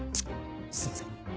すいません。